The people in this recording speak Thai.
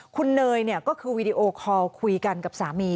คุณเนยก็คือวีดีโอคอลคุยกันกับสามี